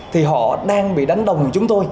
thì họ đang bị đánh đồng chúng tôi